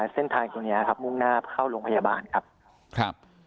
เส้นทางตรงนี้ครับมุ่งหน้าเข้าโรงพยาบาลครับครับ